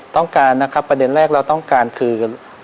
ต้องการนะครับประเด็นแรกเราต้องการคือ